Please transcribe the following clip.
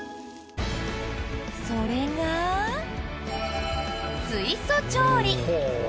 それが、水素調理。